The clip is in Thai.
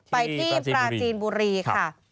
ไปที่ปราจีนบุรีค่ะ